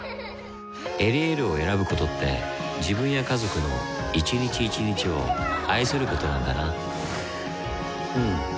「エリエール」を選ぶことって自分や家族の一日一日を愛することなんだなうん。